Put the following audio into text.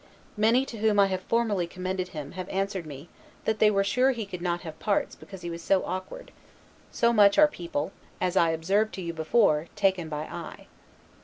Many, to whom I have formerly commended him, have answered me, that they were sure he could not have parts, because he was so awkward: so much are people, as I observed to you before, taken by the eye.